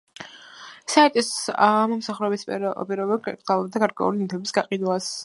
საიტის მომსახურების პირობები კრძალავდა გარკვეული ნივთების გაყიდვას.